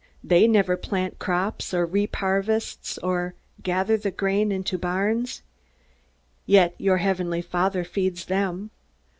They never plant crops, or reap harvests, or gather the grain into barns. Yet your Heavenly Father feeds them.